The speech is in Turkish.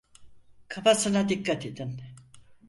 Kafasına dikkat edin.